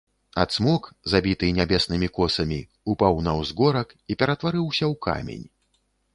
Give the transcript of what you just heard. А цмок, забіты нябеснымі косамі, упаў на ўзгорак і ператварыўся ў камень.